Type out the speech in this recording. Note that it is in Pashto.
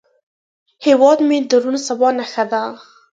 هیواد مې د روڼ سبا نښه ده